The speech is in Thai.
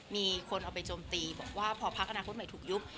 มีคนเอาไปโจมตีบอกว่าพอพักอนาคตใหม่ถูกยุบ